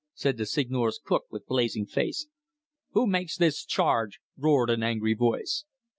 said the Seigneur's cook, with blazing face. "Who makes this charge?" roared an angry voice.